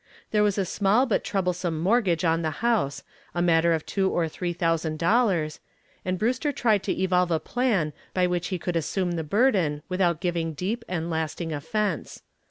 There was a small but troublesome mortgage on the house, a matter of two or three thousand dollars, and Brewster tried to evolve a plan by which he could assume the burden without giving deep and lasting offense.